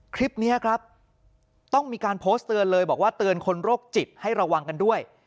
คลิปนี้ครับต้องมีการโพสต์เตือนเลยบอกว่าเตือนคนโรคจิตให้ระวังกันด้วย